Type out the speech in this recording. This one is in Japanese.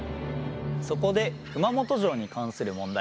そこで熊本城に関する問題。